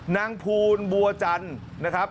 นางภูลบัวจันทร์นะครับ